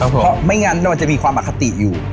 เพราะไม่งั้นมันจะมีความอคติอยู่